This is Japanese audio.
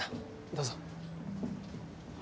どうぞ。